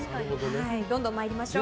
どんどん参りましょう。